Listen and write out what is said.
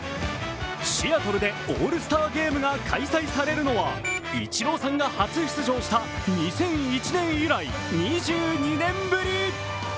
シアトルでオールスターゲームが開催されるのはイチローさんが初出場した２００１年以来、２２年ぶり！